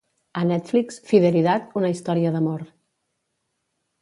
A Netflix, "Fidelidad", una història d'amor.